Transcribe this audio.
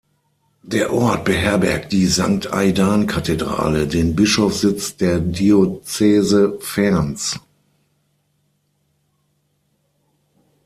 Der Ort beherbergt die Sankt-Aidan-Kathedrale, den Bischofssitz der Diözese Ferns.